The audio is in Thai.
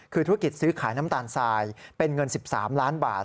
คือธุรกิจซื้อขายน้ำตาลทรายเป็นเงิน๑๓ล้านบาท